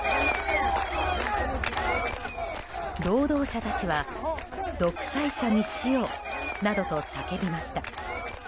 労働者たちは独裁者に死をなどと叫びました。